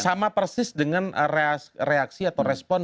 sama persis dengan reaksi atau respon